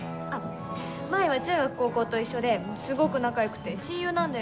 麻依は中学高校と一緒ですごく仲良くて親友なんだよ。